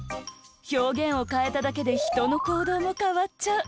表現を変えただけでひとのこうどうも変わっちゃう。